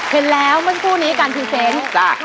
เห็นแล้วเมื่อกู้นี้การพิเศษ